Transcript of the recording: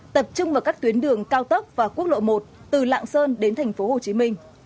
tập trung vào các tuyến đường cao tốc và quốc lộ một từ lạng sơn đến thành phố hồ chí minh